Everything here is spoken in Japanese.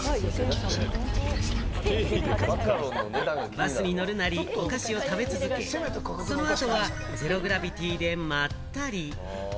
バスに乗るなり、お菓子を食べ続け、その後はゼログラビティでまったり。